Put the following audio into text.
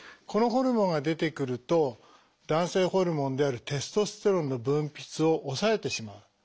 このホルモンが出てくると男性ホルモンであるテストステロンの分泌を抑えてしまう。